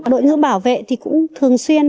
đội ngữ bảo vệ thì cũng thường xuyên